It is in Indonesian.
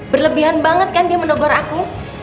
berlebihan banget kan dia menegur aku